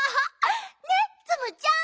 ねっツムちゃん！